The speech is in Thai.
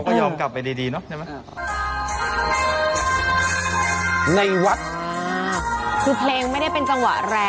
แต่เขาก็ยอมกลับไปดีดีเนอะใช่ไหมในวัดอ่าคือเพลงไม่ได้เป็นจังหวะแรง